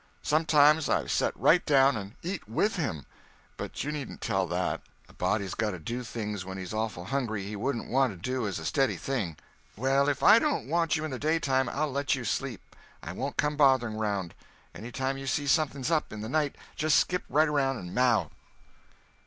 Sometime I've set right down and eat with him. But you needn't tell that. A body's got to do things when he's awful hungry he wouldn't want to do as a steady thing." "Well, if I don't want you in the daytime, I'll let you sleep. I won't come bothering around. Any time you see something's up, in the night, just skip right around and maow."